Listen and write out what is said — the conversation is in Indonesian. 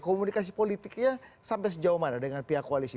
komunikasi politiknya sampai sejauh mana dengan pihak koalisi